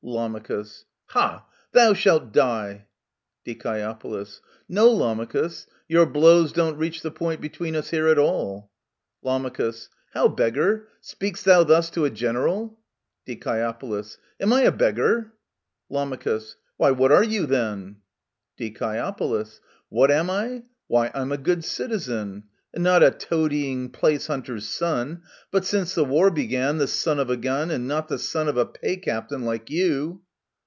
* Lam. Ha ! thou shalt die ! Die. No, Lamachus ; your blows Don't reach the point between us here at alL Lam. How, beggar ? Speak'st thou thus to a general ? Die. Am I a beggar ? Lam. Why, what are you, then ? Die. What am I ? Why, I'm a good citizen, And not a toadying place hunter's son : But, since the war began, the son of a gun, And not the son of a pay captain — like you